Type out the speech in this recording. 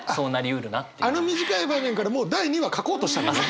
あの短い場面からもう第２話書こうとしたってこと？